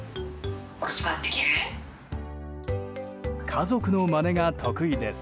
家族のまねが得意です。